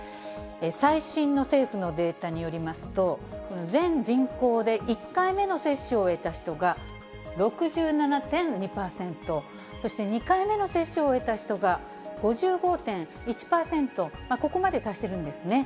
最新の政府のデータによりますと、この全人口で１回目の接種を終えた人が６７．２％、そして２回目の接種を終えた人が５５．１％、ここまで達してるんですね。